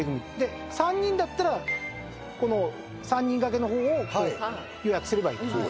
３人だったらこの３人掛けの方を予約すればいいと。